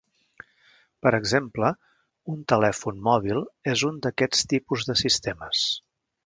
Per exemple, un telèfon mòbil és un d'aquest tipus de sistemes.